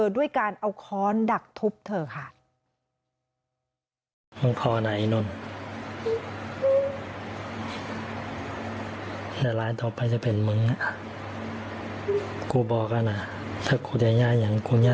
ด้วยการเอาค้อนดักทุบเธอค่ะ